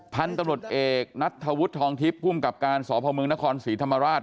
พันธุ์ตำรวจเอกนัทธวุฒิทองทิพย์ภูมิกับการสพมนครศรีธรรมราช